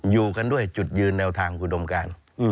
อยู่กันด้วยจุดยืนแนวทางอุดมการ